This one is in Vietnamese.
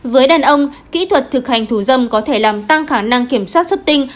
với đàn ông kỹ thuật thực hành thủ dâm có thể làm tăng khả năng kiểm soát xuất tinh